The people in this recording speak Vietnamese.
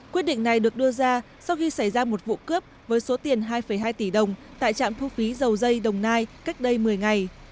quyết định này được đưa ra sau khi xảy ra một vụ cướp với số tiền hai hai tỷ đồng tại trạm thu phí dầu dây đồng nai cách đây một mươi ngày